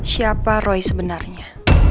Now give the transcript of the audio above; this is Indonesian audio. siapa roy sebenarnya